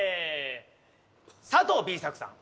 佐藤Ｂ作さん。